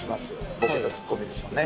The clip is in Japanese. ボケとツッコミですね。